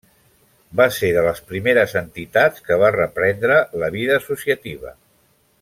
Va ser de les primeres entitats que va reprendre la vida associativa.